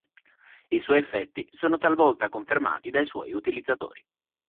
I suoi effetti sono talvolta confermati dai suoi utilizzatori.